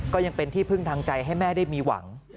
ก็ยังเป็นที่พึ่งทางใจให้แม่ได้มีหวัง